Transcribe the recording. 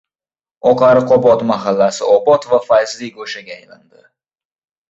“Oqariqobod” mahallasi obod va fayzli go‘shaga aylandi